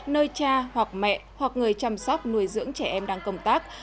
nơi cha hoặc mẹ hoặc người chăm sóc nuôi dưỡng trẻ em đang công tác